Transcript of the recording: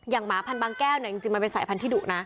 อย่างหมาพันธุ์บางแก้วเนี่ยจริงมันเป็นสายพันธุ์ที่ดุนะ